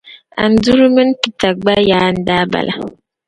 Anduru mini Peter gba ya n-daa bala.